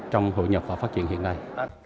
trong hội nhập và phát triển hiện nay